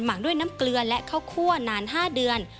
หักด้วยน้ำเกลือและข้าวคั่วนาน๕เดือน